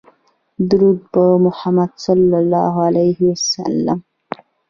درود په محمدﷺ